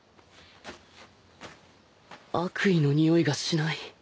悪意のにおいがしない